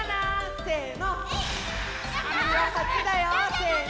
せの！